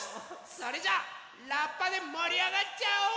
それじゃあラッパでもりあがっちゃおう！